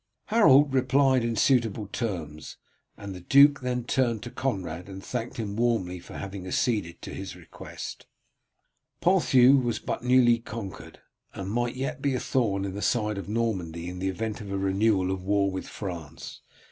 Harold replied in suitable terms, and the duke then turned to Conrad and thanked him warmly for having acceded to his request. Ponthieu was but newly conquered, and might yet be a thorn in the side of Normandy in the event of a renewal of war with France.